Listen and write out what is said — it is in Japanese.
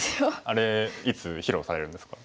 あれいつ披露されるんですか？